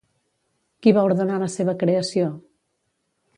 Qui va ordenar la seva creació?